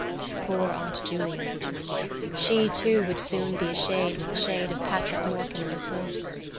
Poor Aunt Julia! She, too, would soon be a shade with the shade of Patrick Morkan and his horse.